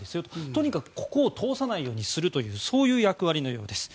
とにかくここを通さないようにするというそういう役割のようです。